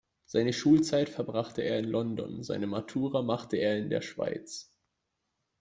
Seine Schulzeit verbrachte er in London, seine Matura machte er in der Schweiz.